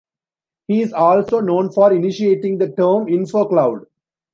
He is also known for initiating the term "infocloud".